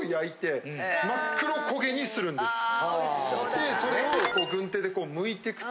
でそれを。